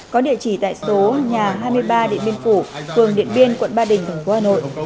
có địa chỉ tại số nhà hai mươi ba điện biên phủ phường điện biên quận ba đình thành phố hà nội